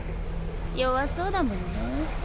弱そうだものね。